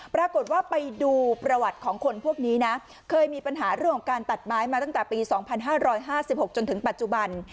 ปรากฏว่าไปดูประวัติของคนพวกนี้นะเคยมีปัญหาเรื่องของการตัดไม้มาตั้งแต่ปี๒๕๕๖จนถึงปัจจุบัน